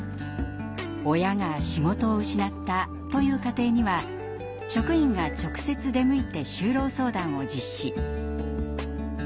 「親が仕事を失った」という家庭には職員が直接出向いて就労相談を実施。